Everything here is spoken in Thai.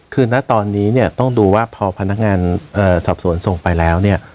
คือณตอนนี้เนี่ยต้องดูว่าพอพนักงานสอบสวนส่งไปแล้วเนี่ย